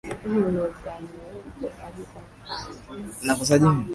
Wanyama waliokomaa wako katika hatari zaidi kuliko wachanga